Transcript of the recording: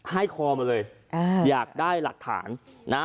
ให้คอมาเลยอยากได้หลักฐานนะ